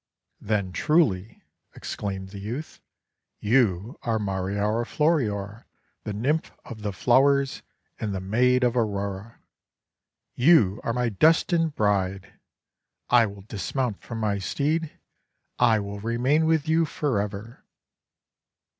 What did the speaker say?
'Then, truly," exclaimed the youth, "you are Mariora Floriora, the Nymph of the Flowers and the maid of Aurora. You are my destined bride! I will dismount from my steed. I will remain with you for ever."